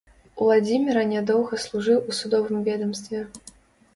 Уладзіміра нядоўга служыў у судовым ведамстве.